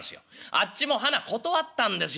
あっちもはな断ったんですよ。